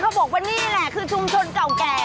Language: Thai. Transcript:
เขาบอกว่านี่แหละคือชุมชนเก่าแก่